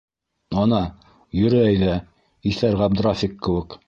- Ана, йөрө әйҙә, иҫәр Ғабдрафиҡ кеүек.